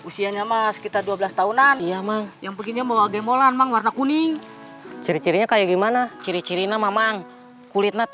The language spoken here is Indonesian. saya sudah melihat perabot